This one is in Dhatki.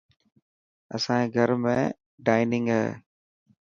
اسائي گهر ۾ ڊائنگ هي.